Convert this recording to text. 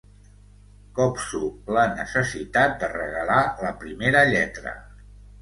Copso la necessitat de regalar la primera lletra.